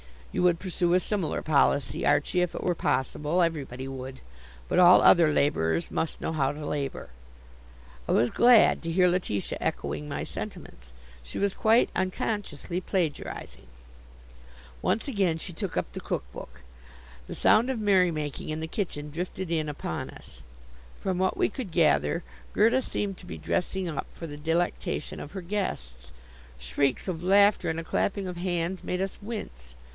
You would pursue a similar policy, Archie, if it were possible. Everybody would. But all other laborers must know how to labor." I was glad to hear Letitia echoing my sentiments. She was quite unconsciously plagiarizing. Once again she took up the cook book. The sound of merrymaking in the kitchen drifted in upon us. From what we could gather, Gerda seemed to be "dressing up" for the delectation of her guests. Shrieks of laughter and clapping of hands made us wince.